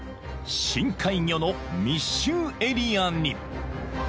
深海魚の密集エリアに］